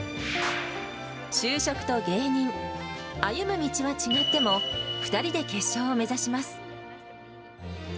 就職と芸人、歩む道は違っても、２人で決勝を目指します。